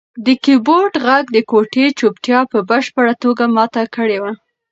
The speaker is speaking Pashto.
د کیبورډ غږ د کوټې چوپتیا په بشپړه توګه ماته کړې وه.